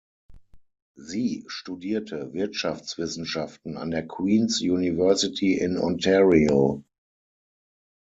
Sie studierte Wirtschaftswissenschaften an der Queen’s University in Ontario.